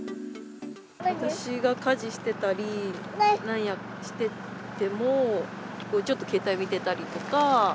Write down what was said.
私が家事してたり、なんやしてても、ちょっと携帯見てたりとか。